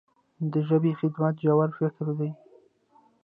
د ژبې خدمت ژور فکر دی.